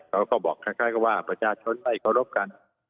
เขาก็บอกคล้ายกับว่าประชาชนไม่เคารพกัน